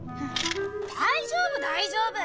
大丈夫大丈夫。